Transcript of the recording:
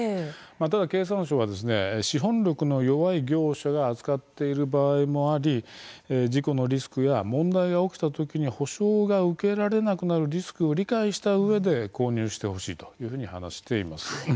ただ経産省は資本力の弱い業者が扱っている場合もあり問題が起きたときに補償が受けられなくなるリスクを理解したうえで購入してほしいと話しています。